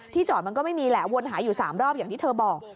จอดมันก็ไม่มีแหละวนหาอยู่๓รอบอย่างที่เธอบอก